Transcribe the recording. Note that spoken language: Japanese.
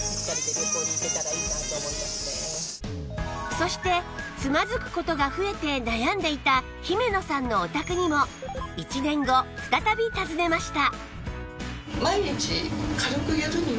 そしてつまずく事が増えて悩んでいた姫野さんのお宅にも１年後再び訪ねました